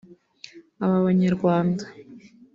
Aba banyarwanda